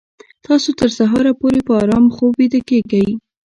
تاسو تر سهاره پورې په ارام خوب ویده کیږئ